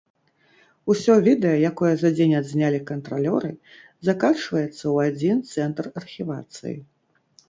Усё відэа, якое за дзень адзнялі кантралёры, закачваецца у адзін цэнтр архівацыі.